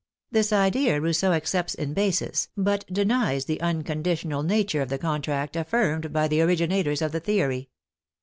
This idea Rousseau accepts in basis, but denies the un conditional nature of the contract affirmed by the orig inators of the theory.